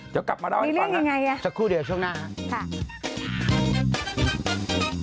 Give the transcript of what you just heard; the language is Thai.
เดี๋ยวกลับมาเล่าให้ฟังฮะสักครู่เดี๋ยวช่วงหน้าครับค่ะมีเรื่องยังไง